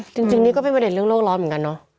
จริงนี่ก็เป็นประเด็นเรื่องโลกร้อนเหมือนกันเนอะ